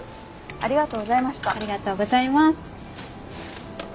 ありがとうございます。